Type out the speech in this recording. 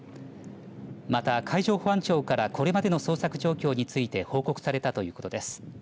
また、海上保安庁からこれまでの捜索状況について報告されたということです。